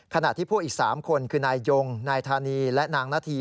ขณะที่พวกอีก๓คนคือนายยงนายธานีและนางนาธี